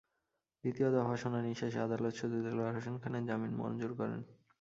দ্বিতীয় দফা শুনানি শেষে আদালত শুধু দেলোয়ার হোসেন খানের জামিন মঞ্জুর করেন।